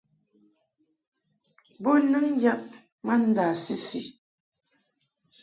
Bo nɨŋ yam ma ndâ-sisi.